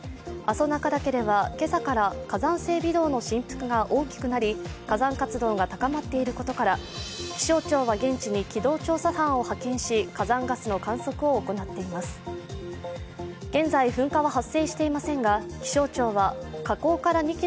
阿蘇中岳では、今朝から火山性微動の振幅が大きくなり、火山活動が高まっていることから気象庁は現地に機動調査班を派遣し火山ガスの観測を行っています。